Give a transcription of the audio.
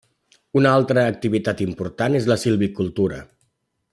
Una altra activitat important és la silvicultura.